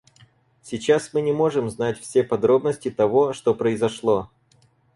Сейчас мы не можем знать все подробности того, что произошло.